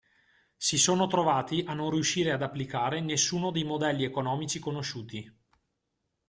Si sono trovati a non riuscire ad applicare nessuno dei modelli economici conosciuti.